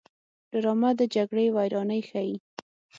ډرامه د جګړې ویرانۍ ښيي